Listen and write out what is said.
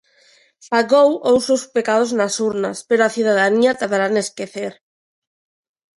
Pagou os seus pecados nas urnas, pero a cidadanía tardará en esquecer.